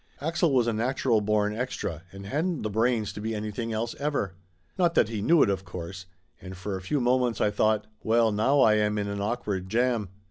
Axel was a natural born extra, and hadn't the brains to be any thing else ever. Not that he knew it, of course. And for a few moments I thought "Well, now I am in an awkward jam."